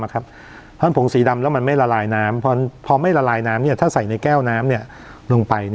เพราะฉะนั้นผงสีดำแล้วมันไม่ละลายน้ำพอไม่ละลายน้ำถ้าใส่ในแก้วน้ำลงไป